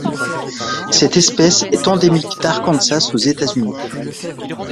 Cette espèce est endémique d'Arkansas aux États-Unis.